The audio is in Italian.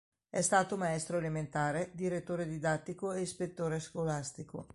È stato maestro elementare, direttore didattico e ispettore scolastico.